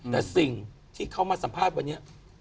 แต่สิ่งที่เขามาสัมภาษณ์วันนี้